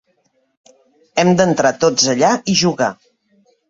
Hem d'entrar tots allà i jugar!